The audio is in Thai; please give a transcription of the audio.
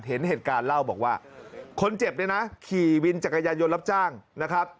เห็นเหตุการณ์เล่าบอกว่าคนเจ็บเนี่ยนะขี่วินจักรยานยนต์รับจ้างนะครับ